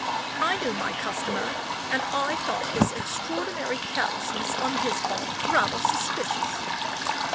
I knew my customer, and I thought this extraordinary carelessness on his part rather suspicious.